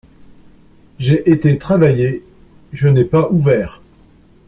J’ai été travailler, je n’ai pas ouvert.